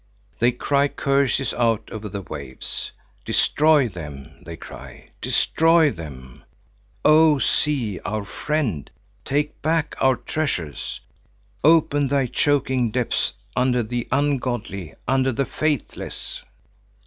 They cry curses out over the waves. "Destroy them!" they cry. "Destroy them! Oh sea, our friend, take back our treasures! Open thy choking depths under the ungodly, under the faithless!"